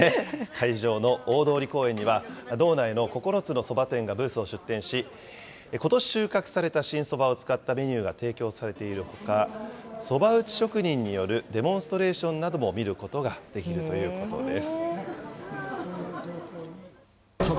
会場の大通公園には、道内の９つのそば店がブースを出店し、ことし収穫された新そばを使ったメニューが提供されているほか、そば打ち職人によるデモンストレーションなども見ることができるということです。